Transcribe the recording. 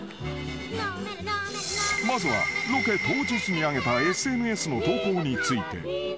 ［まずはロケ当日に上げたＳＮＳの投稿について］